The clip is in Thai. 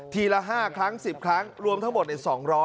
ละ๕ครั้ง๑๐ครั้งรวมทั้งหมด๒๐๐